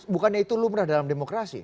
bukannya itu lumrah dalam demokrasi